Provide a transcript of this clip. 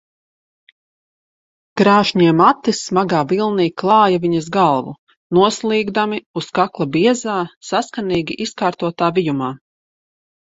Krāšņie mati smagā vilnī klāja viņas galvu, noslīgdami uz kakla biezā, saskanīgi izkārtotā vijumā.